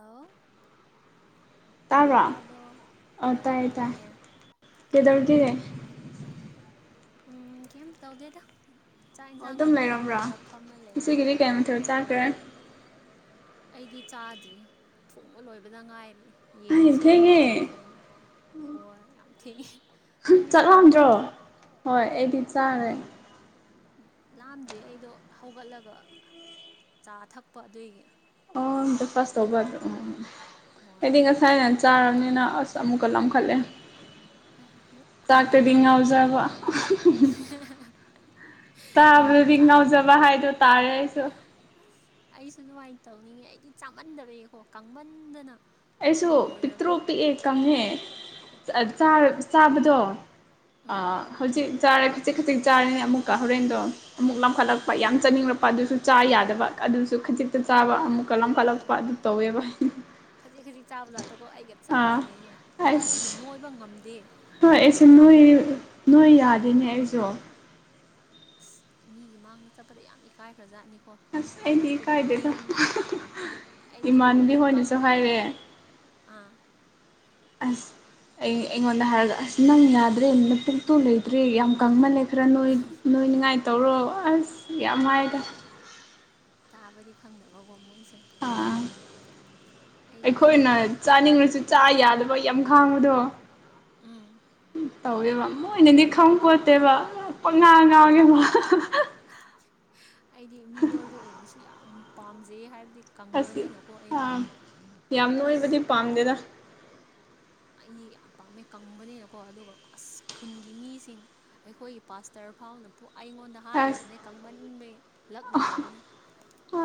ꯑꯥꯎ ꯇꯥꯕ꯭ꯔ ꯇꯥꯕ꯭ꯔꯣ ꯑ ꯍꯣꯏ ꯇꯥꯏꯌꯦ ꯇꯥꯏ ꯀꯩꯗꯧꯔꯤꯒꯦ ꯎꯝ ꯀꯩꯝ ꯇꯧꯗꯦꯗ ꯆꯥꯛ ꯏꯟꯁꯥꯡ ꯑꯗꯨꯝ ꯊꯣꯡꯕ ꯂꯩꯔꯕ꯭ꯔꯣ ꯂꯣꯏꯔꯒ ꯐꯝꯃ ꯂꯩꯌꯦ ꯉꯁꯤꯒꯤꯗꯤ ꯀꯩ ꯍꯣꯏ ꯃꯊꯦꯜ ꯆꯥꯈ꯭ꯔꯦ ꯑꯩꯗꯤ ꯆꯥꯗ꯭ꯔꯤ ꯊꯣꯡꯕ ꯂꯣꯏꯕꯗ ꯉꯥꯏꯔꯤ ꯌꯦꯟ ꯑꯩ ꯊꯦꯡꯉꯦ ꯁꯦꯝꯃꯒ ꯊꯣꯡ ꯍꯣꯏ ꯌꯥꯝ ꯊꯦꯡꯉꯦ ꯅꯪꯗꯤ ꯆꯥꯛ ꯆꯥꯔꯕ ꯂꯥꯝꯗ꯭ꯔꯣ ꯍꯣꯏ ꯑꯩꯗꯤ ꯆꯥꯔꯦ ꯂꯥꯝꯗ꯭ꯔꯤ ꯑꯩꯗꯣ ꯍꯧꯒꯠꯂꯒ ꯆꯥ ꯊꯛꯄ ꯑꯗꯨꯏꯒꯤ ꯑꯣ ꯕ꯭ꯔꯦꯛꯐꯥꯁ ꯇꯧꯕ ꯍꯣꯏ ꯑꯩꯗꯤ ꯉꯁꯥꯏꯅ ꯆꯥꯔꯕꯅꯤꯅ ꯑꯁ ꯑꯃꯨꯛꯀ ꯂꯥꯝꯈꯠꯂꯦ ꯑꯩꯍꯥ ꯅꯣꯏ ꯌꯥꯝ ꯉꯟ ꯆꯥꯛꯇꯗꯤ ꯉꯜꯂꯦꯀꯣ ꯉꯥꯎꯖꯕ ꯑꯩꯅ ꯆꯥꯕꯗꯗꯤ ꯆꯥꯛ ꯉꯥꯎꯖꯕ ꯍꯥꯏꯗꯣ ꯇꯥꯔꯦ ꯑꯩꯁꯨ ꯑꯁ ꯑꯩꯁꯨ ꯑꯗꯨꯃꯥꯏꯅ ꯇꯧꯅꯤꯡꯉꯦ ꯑꯩꯗꯤ ꯆꯥꯃꯟꯗꯕꯒꯤꯀꯣ ꯀꯪꯃꯟꯗꯅ ꯑꯩꯁꯨ ꯄꯤꯛꯇ꯭ꯔꯨ ꯂꯣꯏꯔꯕꯅꯤ ꯄꯤꯛꯑꯦ ꯀꯪꯉꯦ ꯑ ꯑꯌꯥ ꯆꯥꯔ ꯆꯥꯕꯗꯣ ꯑ ꯎꯝ ꯍꯧꯖꯤꯛ ꯆꯥꯔꯦ ꯈꯖꯤꯛ ꯈꯖꯤꯛ ꯆꯥꯔꯦ ꯑꯃꯨꯛꯀ ꯍꯣꯔꯦꯟꯗꯣ ꯑꯃꯨꯛ ꯑꯥ ꯂꯝꯈꯠꯂꯛꯄ ꯌꯥꯝ ꯆꯥꯅꯤꯡꯂꯛꯄ ꯑꯗꯨꯁꯨ ꯆꯥ ꯌꯥꯗꯕ ꯑꯗꯨꯁꯨ ꯈꯖꯤꯛꯇ ꯆꯥꯕ ꯑꯃꯨꯛꯀ ꯂꯥꯝꯈꯠꯂꯛꯄ ꯑꯣ ꯑꯗꯨ ꯇꯧꯋꯦꯕ ꯈꯖꯤꯛ ꯈꯖꯤꯛ ꯆꯥꯕ ꯖꯥꯠꯇꯣꯀꯣ ꯑꯩꯒ ꯆꯞ ꯑꯥ ꯃꯥꯟꯅꯩꯅꯦ ꯑꯗꯨꯒꯤ ꯑꯁ ꯅꯣꯏꯕ ꯉꯝꯗꯦ ꯍꯣꯏ ꯑꯩꯁꯦ ꯍꯛꯆꯥꯡꯗꯣ ꯅꯣꯏꯌꯨ ꯅꯣꯏ ꯌꯥꯗꯦꯅꯦ ꯑꯩꯁꯨ ꯑꯁ ꯃꯤꯒꯤ ꯃꯥꯡꯗ ꯆꯠꯄꯗ ꯌꯥꯝ ꯏꯀꯥꯏꯈ꯭ꯔꯖꯥꯠꯅꯤ ꯀꯣ ꯑꯁ ꯑꯩꯗꯤ ꯍꯥꯏꯔꯛꯄ ꯏꯀꯥꯏꯗꯦꯗ ꯈꯨꯗꯤꯡ ꯑꯩꯗꯤ ꯏꯃꯥꯟꯅꯕꯤ ꯂꯣꯏꯔꯦ ꯍꯣꯏꯅꯁꯨ ꯀꯪꯉꯦ ꯍꯥꯏꯔꯦ ꯑꯥ ꯑꯁ ꯑꯩ ꯑꯩꯉꯣꯟꯗ ꯍꯥꯏꯔꯒ ꯑꯁ ꯅꯪ ꯌꯥꯗ꯭ꯔꯦ ꯃꯇꯄꯨꯛꯇꯨ ꯂꯩꯇ꯭ꯔꯦ ꯌꯥꯝ ꯀꯪꯃꯜꯂꯦ ꯈꯔ ꯅꯣꯏ ꯅꯣꯏꯅꯤꯉꯥꯏ ꯇꯧꯔꯣ ꯑꯁ ꯌꯥꯝ ꯍꯥꯏ [unintelligible] ꯇꯥꯕꯗꯤ ꯈꯪꯗꯕꯀꯣ ꯃꯣꯏꯁꯦ ꯑꯥ ꯑꯩꯗꯤ ꯑꯩꯈꯣꯏꯅ ꯆꯥꯅꯤꯡꯉꯁꯨ ꯆꯥ ꯌꯥꯗꯕꯒꯤ ꯌꯥꯝ ꯈꯥꯡꯕꯗꯣ ꯎꯝ ꯇꯧꯋꯦꯕ ꯃꯣꯏꯅꯗꯤ ꯈꯪꯄꯣꯠꯇꯦꯕ ꯄꯪꯉꯥꯡ ꯉꯥꯡꯉꯦ ꯑꯗꯨꯅꯤ ꯋꯥ ꯑꯩꯗꯤ ꯃꯤ ꯅꯣꯏꯕ ꯎꯔꯁꯨ ꯌꯥꯝ ꯄꯥꯝꯖꯩ ꯍꯥꯏꯕꯗꯤ ꯑꯁ ꯀꯪꯕꯅꯤꯅꯀꯣ ꯑꯩꯗꯣ ꯑꯥ ꯌꯥꯝ ꯅꯣꯏꯕꯗꯤ ꯄꯥꯝꯗꯦꯗ ꯑꯩ ꯌꯥꯝ ꯄꯥꯝꯃꯦ ꯀꯪꯕꯅꯤꯅꯀꯣ ꯑꯗꯨꯒ ꯑꯁ ꯈꯨꯟꯒꯤ ꯃꯤꯁꯤꯡ ꯑꯩꯈꯣꯏꯒꯤ ꯄꯥꯁꯇꯔ ꯐꯥꯎꯅ ꯑꯩꯉꯣꯟꯗ ꯑꯁ ꯍꯥꯏꯔꯕꯅꯦ ꯀꯪꯃꯟꯕꯩ ꯂꯛꯅꯔꯕꯅꯦ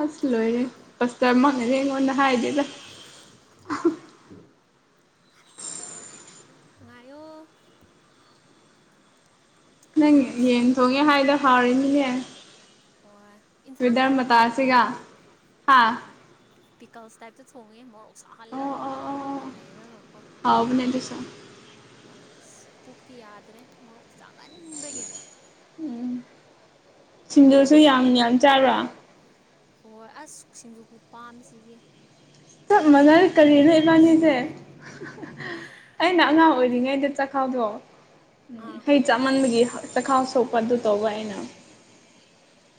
ꯑꯁ ꯂꯣꯏꯔꯦ ꯄꯁꯇꯔꯃꯛꯅꯗꯤ ꯑꯩꯉꯣꯟꯗ ꯍꯥꯏꯗꯦꯗ [unintelligible] [inaudible] ꯉꯥꯏꯌꯣ ꯅꯪ ꯑꯁ ꯌꯦꯟ ꯑꯩ ꯊꯣꯡꯉꯦ ꯍꯥꯏꯗꯣ ꯍꯥꯎꯔꯤꯅꯤꯅꯦ ꯍꯣꯏ ꯏꯟꯁꯥꯡ ꯇꯥꯏꯞꯇ ꯊꯣꯡꯕ ꯃꯇꯥꯁꯤꯒ ꯅꯠꯇꯦ ꯍꯥ ꯍꯣꯏ ꯄꯤꯀꯜꯁ ꯇꯥꯏꯞꯇ ꯊꯣꯡꯉꯦ ꯃꯣꯔꯣꯛ ꯁꯥꯍꯜꯂꯒ ꯃꯣꯔꯣꯛ ꯉꯥꯛꯇꯪ ꯂꯩꯔꯒ ꯀꯣ ꯍꯥꯎꯕꯅꯦꯗꯁ ꯍꯣꯏ ꯑꯁ ꯄꯨꯛꯇꯤ ꯌꯥꯗ꯭ꯔꯦ ꯃꯣꯔꯣꯛ ꯆꯥꯃꯟꯕꯒꯤ ꯎꯝ ꯁꯤꯡꯖꯨꯁꯨ ꯌꯥꯝ ꯌꯥꯝ ꯆꯥꯔꯣ ꯍꯣꯏ ꯑꯁ ꯁꯤꯡꯖꯨꯄꯨ ꯄꯥꯝꯃꯤꯁꯤꯗꯤ ꯆꯞ ꯃꯅ ꯀꯔꯤꯅꯣ ꯏꯕꯥꯅꯤꯁꯦ ꯑꯩꯅ ꯑꯉꯥꯡ ꯃꯣꯔꯣꯛꯇꯤ ꯑꯣꯏꯔꯤꯉꯩꯗ ꯆꯥꯛꯈꯥꯎꯗꯣ ꯎꯝ ꯑꯥ ꯍꯩ ꯆꯥꯃꯟꯕꯒꯤ ꯆꯈꯥꯎ ꯁꯣꯛꯄ ꯑꯗꯨ ꯇꯧꯕ ꯑꯩꯅ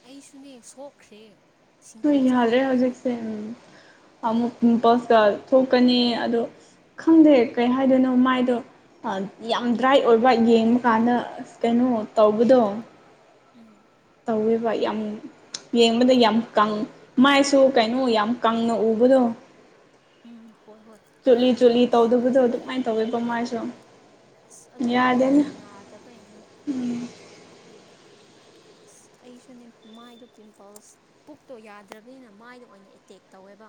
ꯑꯩꯁꯨꯅꯦ ꯁꯣꯛꯈ꯭ꯔꯦ ꯁꯤꯡꯖꯨ ꯅꯣꯏ ꯌꯥꯂꯦ ꯆꯥꯃꯟꯕꯒꯤ ꯍꯧꯖꯤꯛꯁꯦ ꯑꯃꯨꯛ ꯄꯤꯝꯄꯜꯁꯀ ꯊꯣꯛꯀꯅꯤ ꯑꯗꯣ ꯈꯪꯗꯦ ꯀꯩ ꯍꯥꯏꯗꯣꯏꯅꯣ ꯃꯥꯏꯗꯣ ꯌꯥꯝ ꯗ꯭ꯔꯥꯏ ꯑꯣꯏꯕ ꯌꯦꯡꯕꯀꯥꯟꯗ ꯑ ꯀꯩꯅꯣ ꯇꯧꯕꯗꯣ ꯎꯝ ꯇꯧꯋꯦꯕ ꯌꯥꯝ ꯌꯦꯡꯕꯗ ꯌꯥꯝ ꯀ ꯃꯥꯏꯁꯨ ꯀꯩꯅꯣ ꯌꯥꯝ ꯀꯪꯅ ꯎꯕꯗꯣ ꯎꯝ ꯍꯣꯏ ꯍꯣꯏ ꯆꯨꯠꯂꯤ ꯆꯨꯠꯂꯤ ꯇꯧꯗꯕꯗꯣ ꯑꯗꯨꯃꯥꯏꯅ ꯇꯧꯋꯦꯀꯣ ꯃꯥꯥꯏꯁꯨ ꯑꯁ ꯑꯗꯨꯗꯣ ꯄꯨꯛ ꯌꯥꯝ ꯅꯥꯗꯕꯩꯅꯦ ꯎꯝ ꯑꯁ ꯑꯩꯁꯨꯅꯦ ꯃꯥꯏꯗꯣ ꯄꯤꯝꯄꯜꯁ ꯄꯨꯛꯇꯣ ꯌꯥꯗ꯭ꯔꯕꯅꯤꯅ ꯃꯥꯏꯗꯣ ꯑꯣꯏꯅ ꯑꯦꯇꯦꯛ ꯇꯧꯋꯦꯕ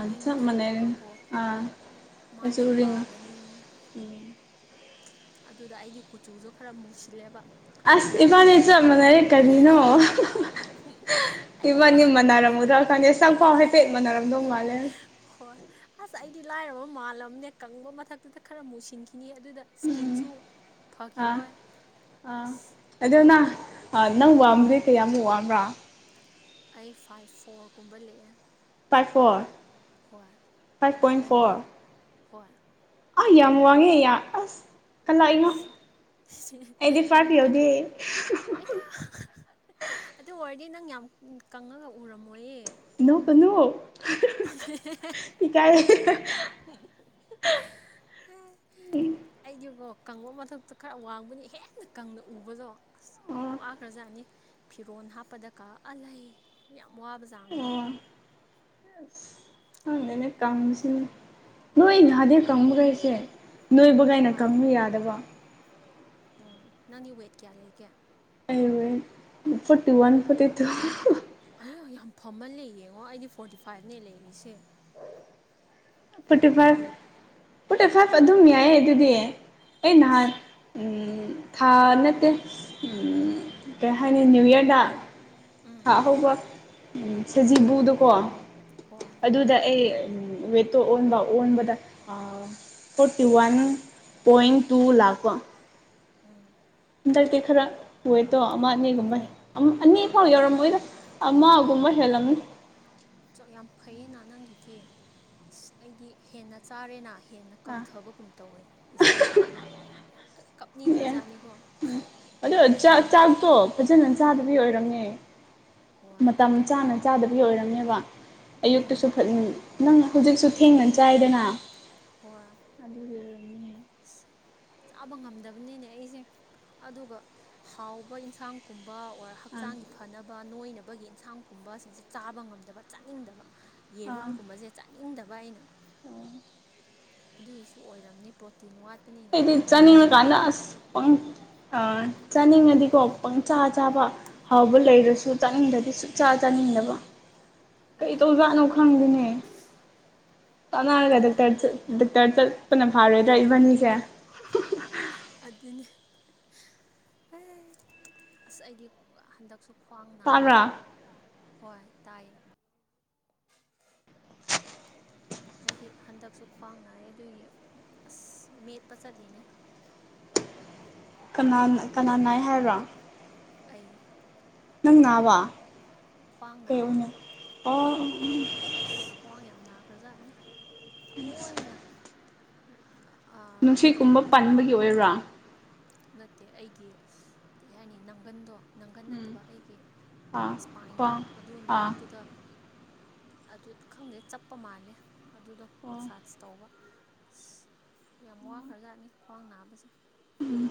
ꯎꯔꯤꯡ ꯊꯣꯛꯑꯒꯀꯣ ꯎꯝ ꯃꯥꯏꯁꯨ ꯀꯥꯒꯅꯤ ꯑꯗꯨꯗ ꯑꯩꯒꯤ ꯀꯨꯆꯨꯁꯨ ꯈꯔ ꯃꯨꯁꯤꯜꯂꯦꯕ ꯑꯁ ꯂꯣꯏꯔꯦ ꯏꯕꯥꯅꯦ ꯆ ꯃꯅꯔꯦ ꯀꯅꯤꯅꯣ ꯑꯩꯗꯤꯀꯣ ꯏꯃꯅꯤ ꯃꯥꯟꯅꯔꯝꯃꯨꯗ꯭ꯔꯥ ꯀꯥꯟꯗ ꯆꯪꯐꯥꯎ ꯍꯥꯏꯐꯦꯠ ꯃꯥꯟꯅꯔꯝꯗꯧ ꯃꯥꯜꯂꯦ ꯍꯣꯏ ꯑꯁ ꯑꯩꯗꯤ ꯂꯥꯏꯔꯕ ꯃꯥꯜꯂꯝꯅꯦ ꯀꯪꯕ ꯃꯊꯛꯇꯨꯗ ꯈꯔ ꯃꯨꯁꯤꯟꯈꯤꯅꯤ ꯑꯗꯨꯗ ꯁ꯭ꯀꯤꯟꯁꯨ ꯐꯈꯤꯔꯣꯏ ꯑ ꯑꯗꯨꯗꯣꯅ ꯅꯪ ꯋꯥꯝ꯭ꯔꯦ ꯀꯌꯥꯃꯨꯛ ꯋꯥꯕ꯭ꯔꯥ ꯑꯩ ꯐꯥꯏꯚ ꯐꯣꯔꯒꯨꯝꯕ ꯂꯦꯛꯑꯦ ꯐꯥꯏꯚ ꯐꯣꯔ ꯍꯣꯏ ꯐꯥꯏꯚ ꯄꯣꯏꯟ ꯅꯪꯗꯤ ꯐꯣꯔ ꯍꯣꯏ ꯑꯥ ꯌꯥꯝ ꯋꯥꯡꯉꯦ ꯑꯁ ꯀꯂꯥꯛꯏꯅꯣ ꯏꯁ ꯑꯩꯗꯤ ꯄꯥꯄꯤꯌꯣꯗꯤ ꯑꯩꯌꯥ ꯑꯗꯨ ꯑꯣꯏꯔꯗꯤ ꯅꯪ ꯌꯥꯝ ꯀꯪꯉꯒ ꯎꯔꯝꯃꯣꯏꯌꯦ ꯅ ꯀꯅꯣ [inaudible] ꯏ ꯀꯥꯏ ꯑꯩꯒꯤꯀꯣ ꯀꯪꯕ ꯃꯊꯛꯇ ꯈꯔ ꯋꯥꯡꯕꯅꯤ ꯍꯦꯟꯅ ꯀꯪꯅ ꯎꯕꯗꯣ ꯑꯁ ꯋꯥꯈ꯭ꯔꯖꯥꯠꯅꯤ ꯐꯤꯔꯣꯟꯜ ꯍꯥꯞꯄꯗ ꯀꯛꯑ ꯂꯩ ꯌꯥꯝ ꯋꯥꯕ ꯆꯥꯡꯗꯣ ꯍꯪꯗꯅꯦ ꯀꯪꯁꯤꯅ ꯅꯣꯏ ꯥꯗꯦ ꯀꯪꯕꯈꯩꯁꯦ ꯅꯣꯏꯕꯒꯥꯏꯅ ꯀꯪꯕ ꯌꯥꯗꯕ ꯎ ꯅꯪꯒꯤ ꯋꯦꯠ ꯀꯌꯥ ꯂꯩꯒꯦ ꯑꯩ ꯐꯣꯔꯇꯤ ꯋꯥꯟ ꯐꯣꯔꯇꯤ ꯇꯨ ꯑꯌꯣ ꯌꯥꯝ ꯐꯝꯃꯜꯂꯦ ꯌꯦꯡꯉꯣ ꯑꯩꯗꯤ ꯐꯣꯔꯇꯤ ꯐꯥꯏꯚꯅꯦ ꯂꯩꯔꯤꯁꯦ ꯅꯍꯥꯟ ꯁꯥꯔ ꯗꯥ ꯇꯨꯛ ꯑꯗꯨꯝ ꯌꯥꯏꯌꯦ ꯑꯗꯨꯗꯤ ꯑꯩ ꯅꯍꯥꯟ ꯏꯁ ꯊꯥ ꯅꯠꯇ ꯑꯩ ꯍꯅ ꯅꯅꯤꯌꯨ ꯏꯌꯥꯔꯗ ꯎꯝ ꯊꯥꯍꯧꯕ ꯎ ꯁꯖꯤꯕꯨꯗꯨꯀꯣ ꯍꯣꯏ ꯑꯗꯨꯗ ꯑꯩ ꯇꯣ ꯑꯣꯟꯕ ꯑꯣꯟꯕꯗ ꯐꯣꯔꯇꯤ ꯋꯥꯟ ꯄꯣꯏꯟ ꯇꯨ ꯂꯥꯛꯄꯣ ꯎꯝ ꯍꯟꯗꯛꯇꯤ ꯈꯔꯥ ꯋꯦꯠꯇꯣ ꯑꯃ ꯑꯅꯤꯒꯨꯝꯕ ꯑꯅꯤ ꯐꯥꯎ ꯌꯧꯔꯝꯃꯣꯏꯗ ꯑꯃꯒꯨꯝꯕ ꯍꯦꯜꯂꯝꯅꯤ ꯌꯥꯝ ꯐꯩꯌꯦꯅ ꯅꯪꯒꯤꯗꯤ ꯑꯁ ꯑꯩꯗꯤ ꯍꯦꯟꯅ ꯆꯥꯔꯦꯅ ꯍꯦꯟꯅ ꯑꯥ ꯀꯪꯊꯕꯒꯨꯝ ꯇꯧꯋꯦ ꯏꯁꯥꯗꯣ ꯀꯞꯅꯤꯡꯈ꯭ꯔꯖꯥꯠꯅꯤꯀꯣ ꯑꯗꯣ ꯆꯥꯛ ꯆꯥꯛꯇꯣ ꯐꯖꯅ ꯆꯥꯗꯕꯤ ꯑꯣꯏꯔꯝꯅꯦ ꯍꯣꯏ ꯃꯇꯝ ꯑꯗꯨꯒ ꯆꯥꯅ ꯆꯥꯗꯕꯒꯤ ꯑꯣꯏꯔꯝꯅꯦꯕ ꯎꯝ ꯑꯌꯨꯛꯇꯁꯨ ꯐ ꯅꯪ ꯍꯧꯖꯤꯛꯁꯨ ꯊꯦꯡꯅ ꯆꯥꯏꯗꯅ ꯍꯣꯏ ꯑꯗꯨꯒꯤ ꯑꯣꯏꯔꯝꯅꯤ ꯆꯥꯕ ꯉꯝꯗꯕꯅꯤꯅꯦ ꯑꯩꯁꯦ ꯑꯗꯨꯒ ꯍꯥꯎꯕ ꯏꯟꯁꯥꯡꯒꯨꯝꯕ ꯑꯣꯔ ꯑꯥ ꯍꯛꯆꯥꯡꯒꯤ ꯐꯅꯕ ꯅꯣꯏꯅꯕꯒꯤ ꯌꯦꯟꯁꯥꯡꯒꯨꯝꯕꯁꯤꯡꯁꯦ ꯆꯥꯕ ꯉꯝꯗꯕ ꯆꯥꯅꯤꯡꯗꯕ ꯑꯥ ꯌꯦꯔꯨꯝꯒꯨꯝꯕꯁꯦ ꯆꯥꯅꯤꯡꯗꯕ ꯑꯩꯅ ꯑꯗꯨꯒꯤꯁꯨ ꯑꯣꯏꯔꯝꯅꯤ ꯇꯤꯟ ꯋꯥꯇꯅꯤ ꯑꯩꯗꯤ ꯆꯅꯤ ꯀꯥꯟꯗꯥ ꯑꯁ ꯄꯪ ꯑ ꯆꯥꯅꯤꯡꯉꯗꯤꯀꯣ ꯄꯪꯆꯥ ꯆꯥꯕ ꯍꯥꯎꯕ ꯂꯩꯔꯁꯨ ꯆꯥꯅꯤꯡꯗꯗꯤ ꯆꯥ ꯆꯥꯅꯤꯡꯗꯕ ꯀꯩ ꯍꯣꯏ ꯇꯧꯖꯠꯅꯣ ꯈꯪꯗꯦꯅꯦ ꯇꯥꯟꯅꯔꯒ ꯗꯥꯛꯇꯔ ꯗꯥꯛꯇꯔ ꯆꯠꯄꯅ ꯐꯥꯔꯣꯏꯗ꯭ꯔ ꯏꯕꯟꯅꯤꯁꯦ [inaudible] [inaudible] ꯑꯁ ꯑ ꯑꯩꯗꯤ ꯍꯟꯗꯛ ꯁꯨ ꯈ꯭ꯋꯥꯡ ꯇꯥꯕ꯭ꯔꯥ ꯅꯥꯏꯌꯦꯕ ꯇꯥꯕ꯭ꯔ ꯍꯣꯏ ꯇꯥꯏꯌꯦ ꯑꯩꯗꯤ ꯍꯟꯗꯛꯁꯨ ꯈ꯭ꯋꯥꯡ ꯅꯥꯏꯌꯦ ꯑꯗꯨꯒꯤ ꯑꯁ ꯃꯦꯠꯄ ꯆꯠꯂꯤꯅꯦ ꯀꯅꯥ ꯀꯅꯥ ꯅꯥꯏ ꯍꯥꯏꯔꯣ ꯑꯩ ꯅꯪꯅꯕ ꯈ꯭ꯋꯥꯡ ꯅꯥꯕ ꯀꯩꯑꯣꯏꯅ ꯑꯣ ꯑꯁ ꯈ꯭ꯋꯥꯡ ꯌꯥꯝ ꯅꯥꯈ꯭ꯔꯖꯥꯠꯅꯤ ꯊꯑꯣꯏꯅ ꯑ ꯀꯩꯕ ꯅꯨꯡꯁꯤꯠꯀꯨꯝꯕ ꯄꯟꯕꯒꯤ ꯑꯣꯏꯔꯣ ꯅꯠꯇꯦ ꯑꯩꯒꯤ ꯀꯩ ꯍꯥꯏꯅꯤ ꯅꯪꯒꯟꯗꯣ ꯅꯪꯒꯟ ꯎꯝ ꯅꯠꯇꯕ ꯑꯩꯒꯤ ꯑꯥ ꯁ꯭ꯄꯥꯏꯟꯗꯣ ꯈ꯭ꯋꯥꯡ ꯑꯗꯨ ꯑꯥ ꯃꯔꯛꯇꯨꯗ ꯑꯗꯨ ꯈꯪꯗꯦ ꯆꯞꯄ ꯃꯥꯜꯂꯦ ꯑꯗꯨꯗꯣ ꯑꯣ ꯃꯁꯥꯖ ꯇꯧꯕ ꯑꯁ ꯌꯥꯝ ꯋꯥ ꯈꯔꯖꯥꯠꯅꯤ ꯈ꯭ꯋꯥꯡ ꯅꯥꯕꯁꯦ ꯎꯝ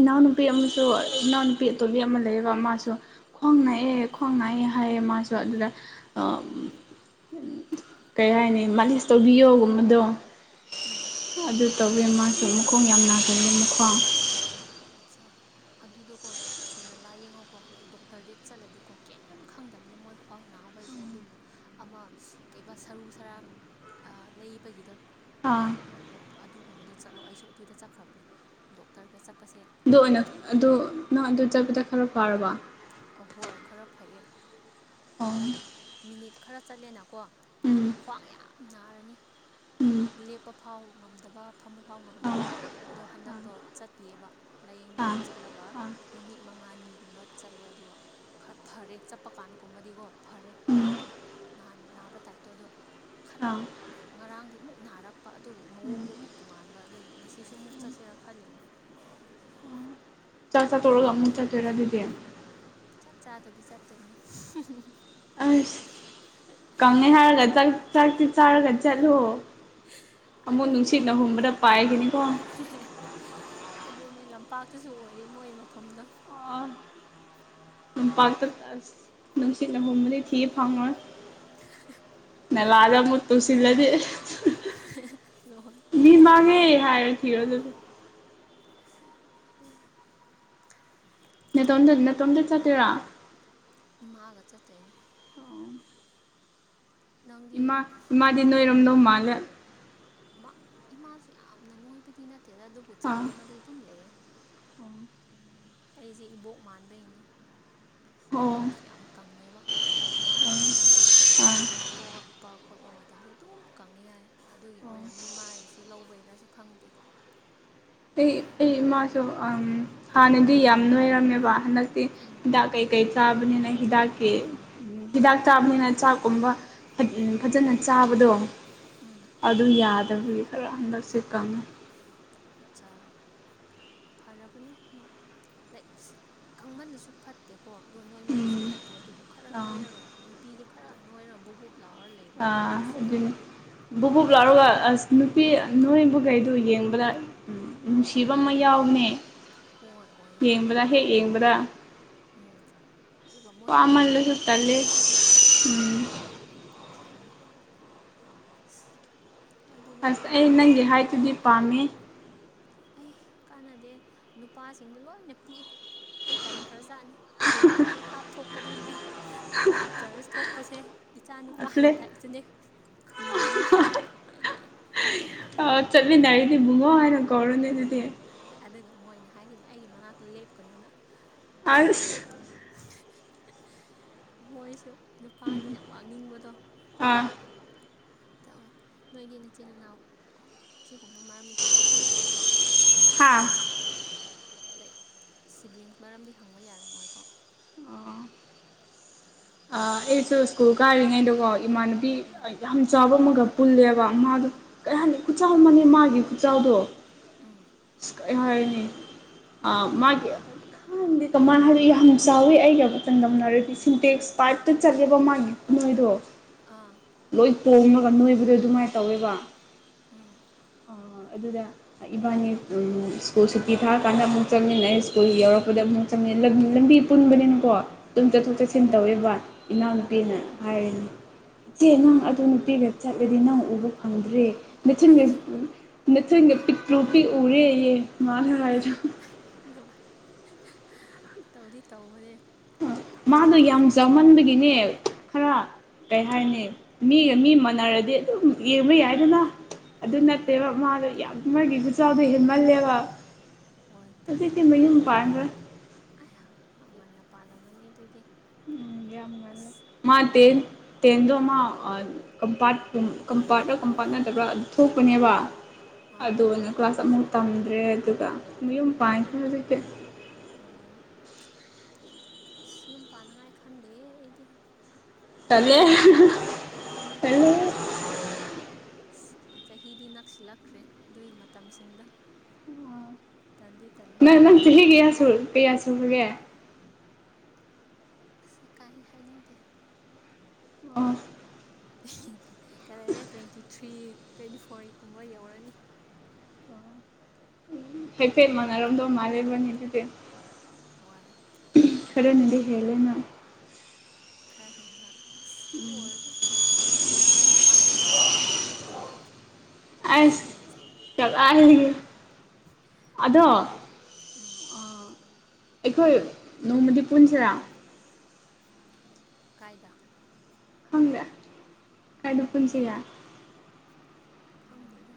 ꯏꯅꯥꯎꯅꯨꯄꯤ ꯑꯃꯁꯨ ꯏꯅꯥꯎꯅꯨꯄꯤ ꯑꯇꯣꯕꯤ ꯑꯃ ꯂꯩꯑꯦꯕ ꯃꯥꯁꯨ ꯈ꯭ꯋꯥꯡ ꯅꯥꯛꯑꯦ ꯎꯝ ꯈ꯭ꯋꯥꯡ ꯅꯥꯛꯑꯦ ꯍꯥꯏꯌꯦ ꯃꯥꯁꯨ ꯑꯗꯨꯗ ꯑ ꯀꯩ ꯍꯥꯏꯅꯤ ꯃꯥꯂꯤꯁ ꯇꯧꯕꯤꯌꯣꯒꯨꯝꯕꯗꯣ ꯎꯝ [unintelligible] ꯑꯆꯥꯥ ꯑꯗꯨꯗꯣꯀꯣ ꯊꯨꯅ ꯂꯥꯏꯌꯦꯡꯉꯣꯀꯣ ꯂꯥꯏꯛ ꯗꯣꯛꯇꯔꯗꯤ ꯆꯠꯂꯗꯤꯀꯣ ꯀꯩꯝ ꯈꯪꯗꯝꯕꯅꯤ ꯃꯣꯏ ꯐꯥꯎ ꯅꯥꯕꯩꯁꯦ ꯑꯗꯨꯕꯨ ꯑꯃ ꯀꯩꯕ ꯁꯔꯨ ꯁꯔꯥꯡ ꯂꯩꯕꯒꯤꯗꯣ ꯑꯥ ꯃꯈꯣꯟ ꯑꯗꯨꯒꯨꯝꯕꯗ ꯆꯠꯂꯣ ꯑꯩꯁꯨ ꯑꯗꯨꯗ ꯆꯠꯈ꯭ꯔꯕꯅꯤ ꯗꯣꯛꯇꯔꯗ ꯆꯠꯄꯁꯦ ꯑꯗꯨ ꯃꯣꯏ ꯑꯣꯏꯅ ꯀꯩꯝ ꯑꯗꯨ ꯅꯪ ꯑꯗꯨ ꯆꯠꯄꯗ ꯈꯔ ꯐꯥꯔꯕ ꯑꯍꯣꯏ ꯈꯔ ꯐꯩꯌꯦ ꯑꯣ ꯂꯥꯏꯛ ꯃꯤꯅꯤꯠ ꯈꯔ ꯆꯠꯂꯦꯅꯀꯣ ꯎꯝ ꯈ꯭ꯋꯥꯡ ꯌꯥꯝ ꯅꯥꯔꯅꯤ ꯎꯝ ꯂꯦꯞꯄ ꯐꯥꯎ ꯉꯝꯗꯕ ꯐꯝꯕ ꯐꯥꯎ ꯑꯥ ꯉꯝꯗꯕ ꯑꯗꯣ ꯍꯟꯗꯛꯇꯣ ꯆꯠꯄꯤꯌꯦꯕ ꯂꯥꯏꯌꯦꯡꯕꯗꯣ ꯑꯥ ꯆꯠꯂꯒ ꯑꯥ ꯅꯨꯃꯤꯠ ꯃꯉꯥꯅꯤꯒꯨꯝꯕ ꯆꯠꯂꯦ ꯑꯗꯨꯒ ꯈꯔꯥ ꯐꯔꯦ ꯆꯠꯄ ꯀꯥꯟꯒꯨꯝꯕꯗꯤꯀꯣ ꯐꯔꯦ ꯎꯝ ꯅꯥꯗ꯭ꯔꯦ ꯅꯍꯥꯟ ꯅꯥꯕ ꯇꯥꯏꯞꯇꯣ ꯑꯗꯣ ꯑꯥ ꯈꯔꯥ ꯉꯔꯥꯡꯗꯤ ꯑꯃꯨꯛ ꯅꯥꯔꯛꯄ ꯑꯗꯨꯕꯨ ꯎꯝ ꯃꯑꯣꯡꯗꯣ ꯑꯃꯨꯛ ꯇꯣꯉꯥꯟꯕ ꯑꯗꯨꯒꯤ ꯃꯁꯤꯁꯨ ꯑꯃꯨꯛ ꯆꯠꯁꯦꯔꯥ ꯈꯜꯂꯤꯅꯤ ꯆꯥꯛꯆꯥ ꯇꯣꯛꯔꯒ ꯑꯃꯨꯛ ꯆꯠꯇꯣꯏꯔ ꯑꯗꯨꯗꯤ ꯆꯥꯛ ꯆꯥꯗꯕꯤ ꯆꯠꯇꯣꯢꯅꯦ ꯑꯁ ꯀꯪꯉꯦ ꯍꯥꯏꯔꯒ ꯆꯥ ꯆꯥꯛꯇꯣ ꯆꯥꯔꯒ ꯆꯠꯂꯣ ꯑꯃꯨꯛ ꯑꯗꯣ ꯅꯨꯡꯁꯤꯠꯅ ꯍꯨꯝꯕꯗ ꯄꯥꯏꯈꯤꯅꯤꯀꯣ ꯑꯗꯨꯅꯦ ꯂꯝꯄꯥꯛꯇꯁꯨ ꯑꯣꯏꯔꯦ ꯃꯣꯏ ꯃꯐꯝꯗꯣ ꯂꯝꯄꯥꯛꯇ ꯑꯁ ꯅꯨꯡꯁꯤꯠꯅ ꯍꯨꯝꯕꯗꯤ ꯊꯤ ꯐꯪꯉꯣꯏ ꯅꯥꯂꯥꯗ ꯑꯃꯨꯛ ꯇꯨꯁꯤꯜꯂꯗꯤ [inaudible] ꯃꯤ ꯃꯥꯡꯉꯦ ꯍꯥꯏꯔꯣ ꯑꯗꯨꯗꯤ ꯅꯦꯇꯣꯝꯗ ꯅꯦꯇꯣꯝꯗ ꯆꯠꯇꯣꯏꯔꯥ ꯏꯃꯥꯒ ꯆꯠꯇꯣꯏꯅꯦ ꯅꯪꯗꯤ ꯏꯃꯥ ꯏꯃꯥꯗꯤ ꯅꯣꯏꯔꯣꯝꯗꯧ ꯃꯥꯜꯂꯦ ꯏꯃꯥꯁꯨ ꯌꯥꯝꯅ ꯅꯣꯏꯕꯗꯤ ꯅꯠꯇꯦꯗ ꯑꯗꯨꯕꯨ ꯑꯥ ꯆꯥꯡ ꯑꯃꯗꯤ ꯑꯗꯨꯝ ꯂꯩꯌꯦ ꯑꯩꯁꯦ ꯏꯕꯣꯛ ꯃꯥꯟꯕꯩꯅꯦ ꯑꯣ ꯏꯕꯣꯛꯁꯨ ꯌꯥꯝ ꯀꯪꯉꯦꯕ ꯃꯥꯅ ꯑꯥ ꯑꯉꯥꯡ ꯄꯣꯛꯂꯛꯄ ꯈꯣꯠꯄ ꯃꯇꯝꯁꯦ ꯑꯗꯨꯝ ꯀꯪꯉꯦ ꯍꯥꯏ ꯑꯗꯨꯒꯤ ꯑꯣꯏꯔꯝꯅꯤ ꯃꯥꯏꯁꯨ ꯂꯧꯕꯩꯔꯁꯨ ꯈꯪꯗꯦ ꯑꯩ ꯑꯩ ꯏꯃꯥꯁꯨ ꯍꯥꯟꯅꯗꯤ ꯌꯥꯝ ꯅꯣꯏꯔꯝꯃꯦꯕ ꯍꯟꯗꯛꯇꯤ ꯎꯝ ꯈꯤꯗꯥꯛ ꯀꯩ ꯀꯩ ꯆꯥꯕꯅꯤꯅ ꯍꯗꯥꯥꯛꯀꯦ ꯍꯤꯗꯥꯛ ꯆꯥꯕꯅꯤꯅ ꯆꯥꯛꯀꯨꯝꯕ ꯐꯖꯅ ꯆꯥꯕꯗꯣ ꯎꯝ ꯑꯗꯨ ꯌꯥꯗꯕꯒꯤ ꯈꯔ ꯍꯟꯗꯛꯁꯦ ꯀꯪꯉꯦ ꯑꯠꯆꯥ ꯐꯔꯕꯅꯦ ꯅ ꯂꯥꯏꯛ ꯀꯪꯃꯜꯂꯁꯨ ꯐꯠꯇꯦꯀꯣ ꯑꯗꯨꯗꯣ ꯅꯣꯏꯃꯜꯂꯨꯁꯨ ꯎꯝ ꯐꯠꯇꯦ ꯑꯗꯨꯕꯨ ꯈꯔ ꯑꯥ ꯅꯣꯏꯔꯒ ꯅꯨꯄꯤꯗꯤ ꯈꯔ ꯅꯣꯏꯔꯒ ꯕꯨꯞ ꯕꯨꯞ ꯂꯥꯎꯔ ꯂꯩ ꯑꯥ ꯑꯗꯨꯅꯤ ꯕꯨꯞ ꯕꯨꯞ ꯐꯤꯔꯣꯜ ꯂꯥꯎꯔꯒ ꯑꯁ ꯅꯨꯄꯤ ꯅꯣꯏꯕ ꯈꯩꯗꯨ ꯌꯦꯡꯕꯗ ꯅꯨꯡꯁꯤꯕ ꯑꯃ ꯌꯥꯎꯕꯅꯦ ꯍꯣꯏ ꯑꯣꯏꯌꯦ ꯌꯦꯡꯕꯗ ꯍꯦꯛ ꯌꯦꯡꯕꯗ ꯎꯝ ꯑꯗꯨꯒ ꯃꯣꯏꯅ ꯐꯤꯔꯣꯜ ꯄꯥꯃꯥꯜꯂꯁꯨ ꯍꯥꯞꯄꯁꯨ ꯇꯥꯜꯂꯦ ꯐꯖꯕ ꯆꯨꯝꯃꯦ ꯑꯁ ꯑꯩꯗꯤ ꯑꯁ ꯑꯩ ꯅꯣꯏꯅꯤꯡꯕꯅ ꯅꯪꯒꯤ ꯁꯤꯔꯅꯤ ꯍꯥꯏꯠꯇꯨꯗꯤ ꯄꯥꯝꯃꯦ ꯑꯩ ꯀꯥꯟꯅꯗꯦ ꯅꯨꯄꯥꯁꯤꯡꯗꯣ ꯂꯣꯏꯅ ꯄꯤꯛꯏ ꯑꯩ ꯇꯟꯈꯔꯖꯥꯠꯅꯤ ꯍꯤꯜ ꯀꯥꯁꯦ ꯍꯥꯞꯊꯣꯛꯄꯅꯤꯅ ꯆꯔꯁ ꯊꯣꯛꯄꯁꯦ ꯏꯆꯥ ꯅꯨꯄꯥꯒꯤ ꯑꯁꯂꯦ ꯇꯥꯏꯞꯇꯨꯅꯦ ꯈꯨꯟꯒꯤ ꯃꯤꯁꯤꯡꯗꯣ ꯆꯠꯃꯤꯟꯅꯔꯤ ꯕꯨꯡꯉꯣ ꯍꯥꯏꯅ ꯀꯧꯔꯣꯅꯦ ꯑꯗꯨꯗꯤ ꯑꯗꯨꯒ ꯃꯣꯏꯅ ꯍꯥꯏꯔꯤꯅꯤ ꯑꯩꯒꯤ ꯃꯅꯥꯛꯇ ꯂꯦꯞꯀꯅꯨꯅ ꯑꯦ ꯑꯁ ꯃꯣꯏꯁꯨ ꯅꯨꯄꯥꯅꯤ ꯌꯥꯝ ꯋꯥꯡꯅꯤꯡꯕꯗꯣ ꯑꯥ ꯇꯧꯋꯦ ꯅꯣꯏꯗꯤ ꯅꯆꯤꯟ ꯏꯅꯥꯎ ꯑꯁꯤꯒꯨꯝꯕ ꯃꯔꯝꯗꯤ ꯍꯪꯕ ꯌꯥꯔꯝꯃꯣꯏꯀꯣ ꯍꯥꯥ ꯂꯥꯏꯛ ꯁꯤꯕ꯭ꯂꯤꯡꯁ ꯃꯔꯝꯗꯤ ꯍꯪꯕ ꯌꯥꯔꯝꯃꯣꯏꯀꯣ ꯑꯍꯨ ꯏꯁꯣꯔ ꯑꯩꯁꯨ ꯁ꯭ꯀꯨꯜ ꯀꯥꯔꯤꯉꯩꯗꯀꯣ ꯏꯃꯥꯟꯅꯕꯤ ꯎꯝ ꯌꯥꯝ ꯆꯥꯎꯕ ꯑꯃꯒ ꯄꯨꯜꯂꯦꯕ ꯃꯥꯗꯣ ꯀꯩ ꯍꯥꯏꯅꯤ ꯈꯨꯆꯥꯎ ꯑꯃꯅꯦ ꯃꯥꯒꯤ ꯈꯨꯆꯥꯎꯗꯣ ꯎꯝ ꯀꯩ ꯍꯥꯏꯅꯤ ꯃꯥꯒꯤ ꯈꯪꯗꯤ ꯀꯃꯥꯏꯅ ꯍꯥꯏꯗꯤ ꯌꯥꯝꯅ ꯆꯥꯎꯋꯤ ꯑꯩꯒꯥ ꯆꯥꯡꯗꯝꯅꯔꯗꯤ ꯁꯤꯟꯇꯦꯛꯁ ꯄꯥꯏꯞꯇ ꯆꯠꯂꯦꯕ ꯃꯥꯒꯤ ꯈꯨꯅꯣꯏꯗꯣ ꯑꯥ ꯂꯣꯏ ꯇꯣꯡꯉꯒ ꯅꯣꯏꯕꯗꯣ ꯑꯗꯨꯃꯥꯏꯅ ꯇꯧꯋꯦꯕ ꯎꯝ ꯑꯗꯨꯗ ꯏꯕꯥꯅꯤ ꯁ꯭ꯀꯨꯜ ꯁꯨꯇꯤ ꯊꯥꯔꯀꯥꯟꯗ ꯑꯃꯨꯛ ꯆꯠꯃꯤꯟꯅꯩ ꯁ꯭ꯀꯨꯜ ꯌꯧꯔꯛꯄꯗ ꯑꯃꯨꯛ ꯂꯝꯕꯤ ꯄꯨꯟꯕꯅꯤꯅꯀꯣ ꯑꯗꯨꯝ ꯆꯠꯊꯣꯛ ꯎꯝ ꯆꯠꯁꯤꯟ ꯇꯧꯋꯦꯕ ꯏꯅꯥꯎꯅꯨꯄꯤꯅ ꯍꯣꯏ ꯍꯥꯏꯅꯤ ꯆꯦ ꯅꯪ ꯑꯗꯨ ꯅꯨꯄꯤꯒ ꯆꯥꯠꯂꯗꯤ ꯅꯪ ꯎꯕ ꯐꯪꯗ꯭ꯔꯦ ꯃꯊꯤꯟ ꯅꯊꯨꯟꯒ ꯄꯤꯛꯇꯔꯨ ꯄꯤꯛꯅ ꯎꯔꯦꯌꯦ ꯃꯥꯅ ꯍꯥꯏꯕꯗꯣ ꯇꯧꯗꯤ ꯇꯧꯕꯅꯦ ꯌꯥꯝ ꯃꯥꯗꯣ ꯆꯧꯕꯒ ꯌꯥꯝ ꯆꯠꯄꯁꯦ ꯆꯥꯎꯃꯟꯕꯒꯤꯅꯦ ꯈꯔ ꯀꯩ ꯍꯥꯏꯅꯤ ꯃꯤꯒ ꯃꯤ ꯃꯥꯟꯅꯔꯗꯤ ꯑꯗꯨꯝ ꯌꯦꯡꯕ ꯌꯥꯏꯗꯅ ꯑꯗꯨ ꯎꯝ ꯅꯠꯇꯦꯕ ꯃꯥꯗꯣ ꯌꯥꯝ ꯃꯥꯒꯤ ꯆꯥꯗꯣ ꯍꯦꯟꯃꯜꯂꯦꯕ ꯍꯣꯏ ꯍꯧꯖꯤꯛꯇꯤ ꯃꯌꯨꯝ ꯄꯥꯟꯈ꯭ꯔꯦ ꯑꯌꯥ ꯌꯥꯝ ꯉꯟꯅ ꯄꯥꯜꯂꯝꯃꯅꯤ ꯑꯗꯨꯗꯤ ꯎꯝ ꯑꯁ ꯃꯥ ꯇꯦꯟ ꯇꯦꯟꯗꯣ ꯃꯥ ꯀꯝꯄ ꯀꯝꯄꯥꯠ꯭ꯔꯥ ꯀꯝꯄꯥꯠ ꯅꯗꯕ꯭ꯔꯥ ꯊꯣꯛꯄꯅꯦꯕ ꯑꯥ ꯑꯗꯨꯅ ꯀ꯭ꯂꯥꯁ ꯑꯃꯨꯛ ꯇꯝꯗ꯭ꯔꯦ ꯑꯗꯨꯒ ꯃꯌꯨꯝ ꯄꯥꯟꯈꯔꯦ ꯍꯧꯖꯤꯛꯇꯤ ꯑꯣ ꯑꯁ ꯌꯨꯝ ꯄꯥꯟꯅꯉꯥꯏ ꯈꯟꯗꯦ ꯑꯩꯗꯤ ꯇꯜꯂꯦ ꯇꯂꯦ ꯑꯗꯨꯅꯦ ꯇꯜꯂꯦ ꯑꯥꯝ ꯑꯁ ꯆꯍꯤꯗꯤ ꯅꯛꯁꯤꯜꯂꯛꯈ꯭ꯔꯦ ꯑꯗꯨꯒꯤ ꯃꯇꯝꯁꯤꯡꯗꯣ ꯇꯟꯗꯤ ꯇꯜꯂꯦ ꯅꯪ ꯅꯪ ꯆꯥꯍꯤ ꯀꯌꯥ ꯁꯨꯔꯒꯦ ꯑꯁ ꯏꯀꯥꯏꯍꯦ ꯍꯥꯏꯅꯤꯡꯗꯦ ꯑꯣ ꯀꯩ ꯂꯩꯔꯦ ꯇ꯭ꯋꯦꯟꯇꯤ ꯊ꯭ꯔꯤ ꯇ꯭ꯋꯦꯟꯇꯤ ꯐꯣꯔꯒꯨꯝꯕ ꯌꯧꯔꯅꯤ ꯍꯥꯏꯐꯦꯠ ꯃꯅꯔꯝꯗꯣ ꯍꯥꯜꯂꯦ ꯏꯕꯥꯅꯤ ꯑꯗꯨꯗꯤ ꯍꯣꯏ ꯈꯔꯅꯗꯤ ꯍꯦꯜꯂꯦ ꯅꯥ ꯈꯔ ꯍꯦꯟꯕ꯭ꯔꯥ ꯑꯁ ꯇꯨ ꯑꯣꯏꯔꯖꯨ ꯅꯪꯒꯤ ꯋꯥ ꯌꯥꯝ ꯉꯥꯡꯕ ꯍꯩꯔꯦꯅ ꯀꯨꯏꯅ ꯑꯦꯛꯁꯄꯤꯔꯤꯌꯦꯟꯁ ꯀꯔꯥꯏꯗꯒꯤ ꯑꯩꯗꯤ ꯎꯝ ꯑꯩꯈꯣꯏ ꯅꯣꯡꯃꯗꯤ ꯄꯨꯟꯁꯤꯔꯥ ꯀꯥꯏꯗ ꯈꯪꯗꯦ ꯀꯥꯏꯗꯥ ꯄꯨꯟꯁꯤꯒꯦ ꯈꯪꯗꯦꯗ